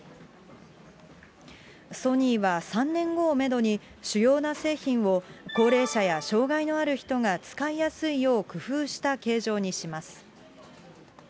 ソニーは３年後をメドに、主要な製品を高齢者や障害のある人が使いやすいよう工夫した形状にします。